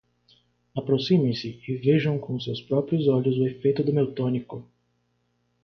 Aproximem-se e vejam com os seus próprios olhos o efeito do meu tônico!